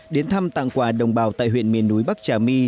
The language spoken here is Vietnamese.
đến thăm tặng quà đồng bào tại huyện miền núi bắc trà my